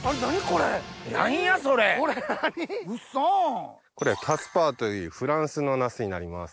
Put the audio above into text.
これはキャスパーというフランスのナスになります。